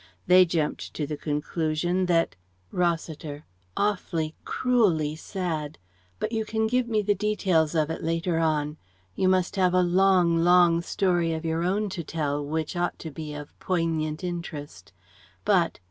They jumped to the conclusion that " Rossiter: "Awfully, cruelly sad. But you can give me the details of it later on. You must have a long, long story of your own to tell which ought to be of poignant interest. But